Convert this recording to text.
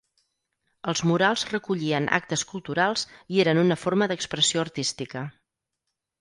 Els murals recollien actes culturals i eren una forma d'expressió artística.